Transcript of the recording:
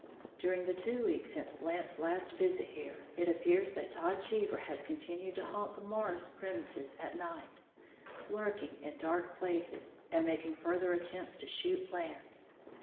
During the two weeks since Blant's last visit here, it appears that Todd Cheever has continued to haunt the Marrs premises at night, lurking in dark places, and making further attempts to shoot Blant.